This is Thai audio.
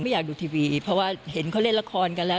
อยากดูทีวีเพราะว่าเห็นเขาเล่นละครกันแล้ว